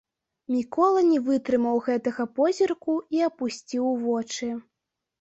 Мікола не вытрымаў гэтага позірку і апусціў вочы.